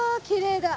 きれい！